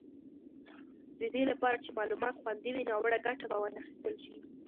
د دې لپاره چې معلومات خوندي وي، ناوړه ګټه به وانخیستل شي.